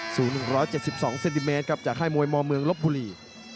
สูง๑๗๒เซนติเมตรครับจากค่ายมวยมเมืองลบบุรี